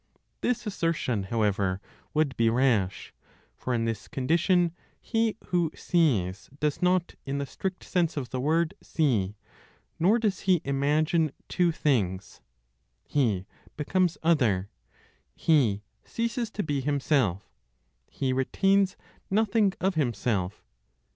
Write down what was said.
This assertion, however, would be rash, for in this condition he who sees does not, in the strict sense of the word, see; nor does he imagine two things. He becomes other, he ceases to be himself, he retains nothing of himself.